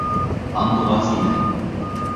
Һандуғас ине!